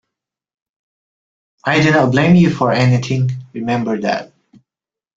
I do not blame you for anything; remember that.